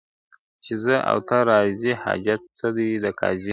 ¬ چي زه او ته راضي، حاجت څه دئ د قاضي.